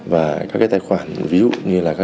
và các tài khoản ví dụ như là